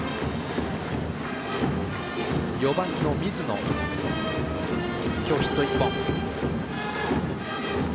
４番の水野きょうヒット１本。